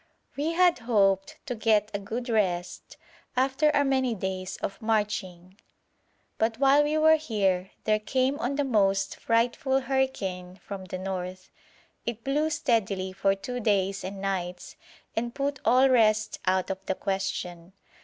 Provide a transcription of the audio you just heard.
We had hoped to get a good rest after our many days of marching, but while we were here there came on the most frightful hurricane from the north; it blew steadily for two days and nights and put all rest out of the question.